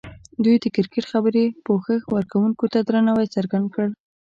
دوی د کرکټ خبري پوښښ ورکوونکو ته درناوی څرګند کړ.